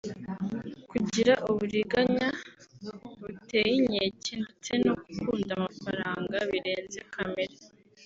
kugira uburiganya butey’inkeke ndetse no gukunda amafaranga birenze kamere